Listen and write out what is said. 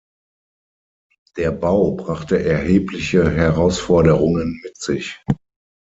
Der Bau brachte erhebliche Herausforderungen mit sich.